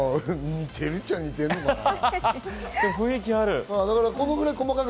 似てるっちゃ似ているのかな？